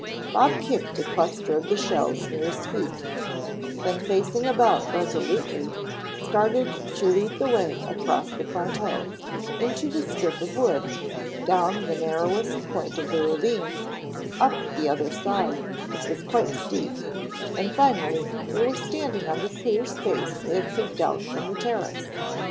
Bob kicked a cluster of the shells near his feet, then facing about resolutely, started to lead the way across the plateau, into the strip of wood, down the narrowest point of the ravine, up the other side, which was quite steep, and finally they were standing on the clear space they had picked out from the terrace.